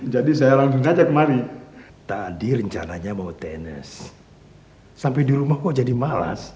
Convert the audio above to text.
jadi saya langsung ajak ke zona tempat kerja